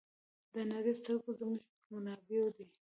د نړۍ سترګې زموږ پر منابعو دي.